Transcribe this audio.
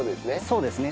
そうですね。